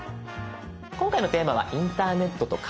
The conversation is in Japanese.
今回のテーマは「インターネットとカメラ」です。